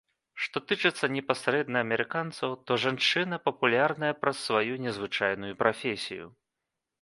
Што тычыцца непасрэдна амерыканцаў, то жанчына папулярная праз сваю незвычайную прафесію.